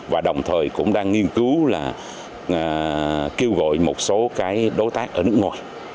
và đồng thời cũng đang nghiên cứu là kêu gọi một số cái đối tác ở nước ngoài